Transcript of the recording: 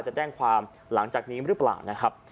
จะแจ้งความหลังจากนี้หรือเปล่านะครับ